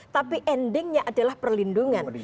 tapi endingnya adalah perlindungan